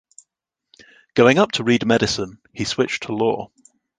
Going up to read medicine, he switched to law.